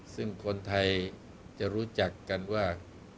ซึ่งคนไทยจะรู้จักกันว่า